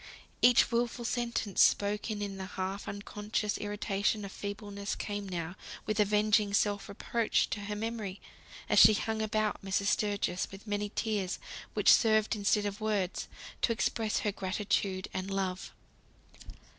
Each wilful sentence spoken in the half unconscious irritation of feebleness came now with avenging self reproach to her memory, as she hung about Mrs. Sturgis, with many tears, which served instead of words to express her gratitude and love.